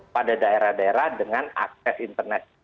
pada daerah daerah dengan akses internet